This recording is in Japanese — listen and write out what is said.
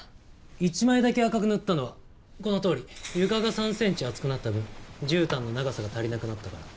１枚だけ赤く塗ったのはこのとおり床が３センチ厚くなった分じゅうたんの長さが足りなくなったから。